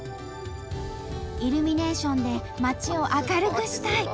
「イルミネーションで町を明るくしたい」。